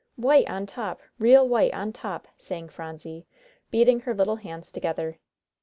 "White on top real white on top!" sang Phronsie, beating her little hands together.